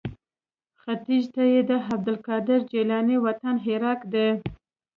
ختیځ ته یې د عبدالقادر جیلاني وطن عراق دی.